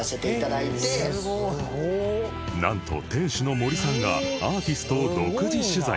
なんと店主の森さんがアーティストを独自取材